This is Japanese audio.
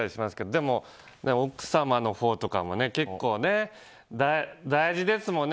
でも奥様のほうとかも結構大事ですもんね